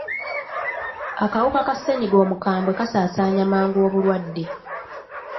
Akawuka ka ssenyiga omukambwe kasaasaanya mangu obulwadde.